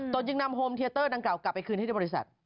จึงนำโฮมเทียเตอร์ดังกล่ากลับไปคืนที่บริษัท